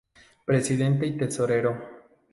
Presidente y Tesorero.